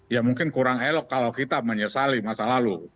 ya mungkin kurang elok kalau kita menyesali masa lalu